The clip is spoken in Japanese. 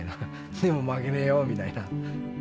でも負けねえよみたいな。